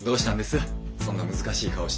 そんな難しい顔して。